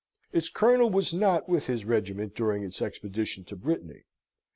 Its colonel was not with his regiment during its expedition to Brittany.